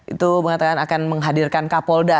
itu mengatakan akan menghadirkan kapolda